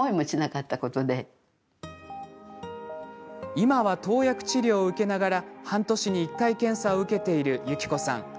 今は、投薬治療を受けながら半年に１回検査を受けているゆきこさん。